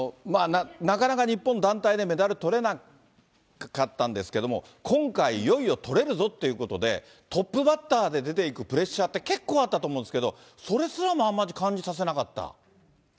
なかなか日本、団体でメダルとれなかったんですけれども、今回、いよいよとれるぞということで、トップバッターで出ていくプレッシャーって、結構あったと思うんですけど、それすらもあんまり感じさせなかった。